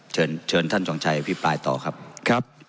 เชิญท่านจองชัยอภิปรายต่อครับ